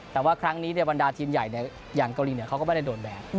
แต่ว่าครั้งนี้บรรดาทีมใหญ่อย่างเกาหลีเขาก็ไม่ได้โดนแบน